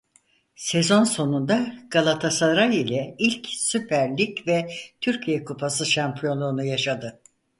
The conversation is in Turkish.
Sezon sonunda Galatasaray ile ilk Süper Lig ve Türkiye Kupası şampiyonluğunu yaşadı.